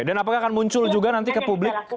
dan apakah akan muncul juga nanti ke publik